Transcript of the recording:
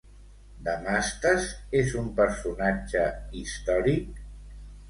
Damastes és un personatge històric?